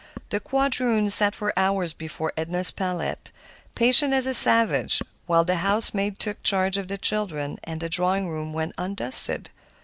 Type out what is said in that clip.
The quadroon sat for hours before Edna's palette, patient as a savage, while the house maid took charge of the children, and the drawing room went undusted.